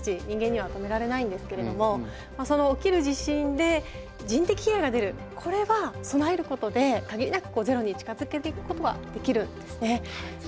人間には止められないんですけれどもその起きる地震で人的被害が出るこれは備えることで限りなくゼロに近づけていくことはできるんですね。